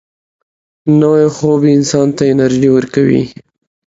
نوی خوب انسان ته انرژي ورکوي